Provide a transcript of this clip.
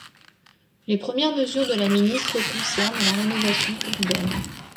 Les premières mesures de la ministre concernent la rénovation urbaine.